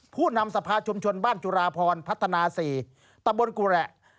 ผู้นำสภาชุมชนบ้านจุฬาพรพัฒนา๔ตะบนกุแหละ